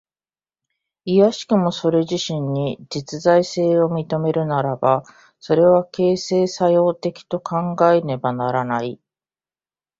いやしくもそれ自身に実在性を認めるならば、それは形成作用的と考えられねばならない。